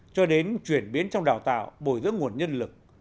cho đến chuyển biến trong đào tạo bồi dưỡng nguồn nhân lực